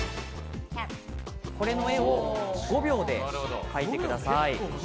この絵を５秒で描いてください。